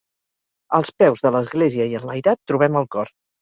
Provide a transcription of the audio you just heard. Als peus de l'església i enlairat, trobem el cor.